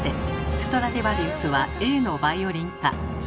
ストラディヴァリウスはＡのバイオリンです！